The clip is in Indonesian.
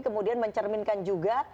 kemudian mencerminkan juga